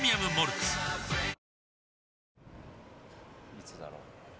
いつだろう？